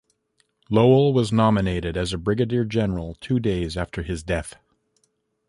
Lowell was nominated as a brigadier general two days after his death.